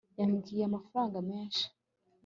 yamwibye amafaranga menshi